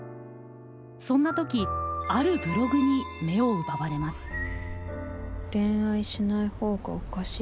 そんな時あるブログに目を奪われます。